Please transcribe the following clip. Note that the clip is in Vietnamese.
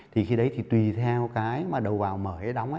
thì khi đấy thì tùy theo cái mà đầu vào mở hay đóng ấy